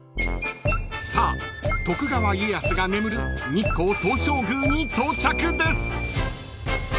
［さあ徳川家康が眠る日光東照宮に到着です］